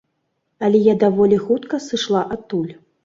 Але я даволі хутка сышла адтуль.